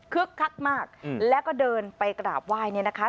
คักมากแล้วก็เดินไปกราบไหว้เนี่ยนะคะ